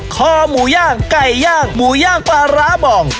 คอหมูย่างไก่ย่างหมูย่างปลาร้าบ่อง